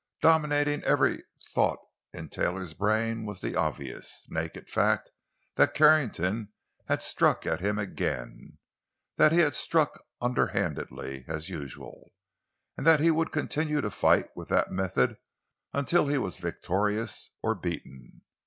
Dominating every other thought in Taylor's brain was the obvious, naked fact that Carrington had struck at him again; that he had struck underhandedly, as usual; and that he would continue to fight with that method until he was victorious or beaten.